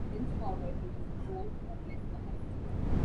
Henceforward he was more or less a husk.